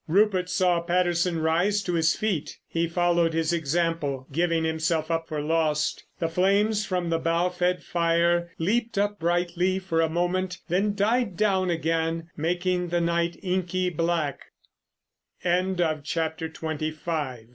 Rupert saw Patterson rise to his feet. He followed his example, giving himself up for lost. The flames from the bough fed fire leaped up brightly for a moment, then died down again, making the night inky black. CHAPTER XXVI. AN ARGUMENT.